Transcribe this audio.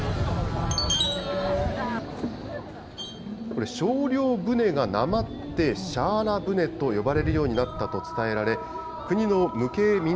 これ、精霊船がなまって、シャーラ船と呼ばれるようになったと伝えられ、国の無形民俗